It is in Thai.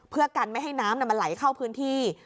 เพื่อกันไม่ให้น้ำมันไหลเข้าพื้นที่